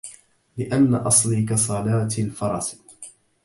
لأن أصلي كصلاة الفرس